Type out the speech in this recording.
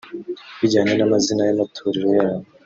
Bijyanye n'amazina y'amatorero yabo